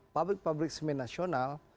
pabrik pabrik semen nasional